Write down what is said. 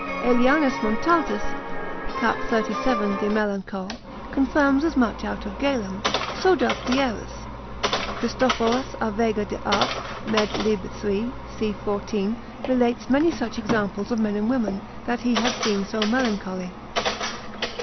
Aelianus Montaltus, cap. 37. de melanchol., confirms as much out of Galen; so doth Wierus, Christophorus a Vega de art. med. lib. 3. c. 14, relates many such examples of men and women, that he had seen so melancholy.